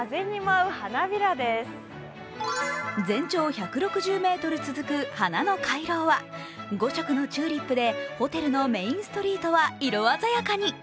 全長１６０ｍ続く花の回廊は５色のチューリップでホテルのメインストリートは色鮮やかに。